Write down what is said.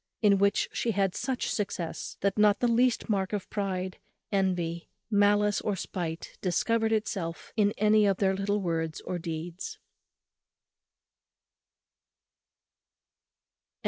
In which she had such success, that not the least mark of pride, envy, malice, or spite discovered itself in any of their little words or deeds.